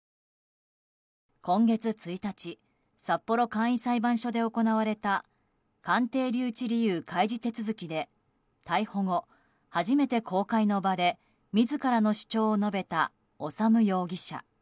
今月１日札幌簡易裁判所で行われた鑑定留置理由開示手続きで逮捕後、初めて公開の場で自らの主張を述べた修容疑者。